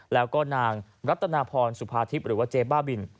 แล้วก็นางรัตนาพรสุภาทิพย์หรือว่าเจ๊บ้าบิน